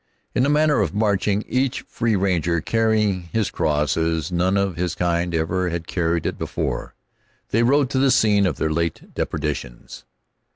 In that manner of marching, each free ranger carrying his cross as none of his kind ever had carried it before, they rode to the scene of their late depredations.